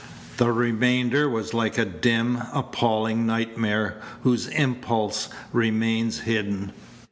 The remainder was like a dim, appalling nightmare whose impulse remains hidden.